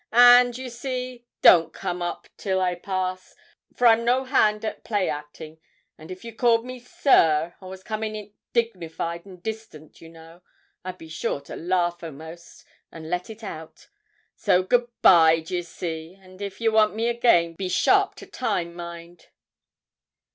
'And, do ye see, don't ye come up till I pass, for I'm no hand at play acting; an' if you called me "sir," or was coming it dignified and distant, you know, I'd be sure to laugh, a'most, and let all out. So good bye, d'ye see, and if you want me again be sharp to time, mind.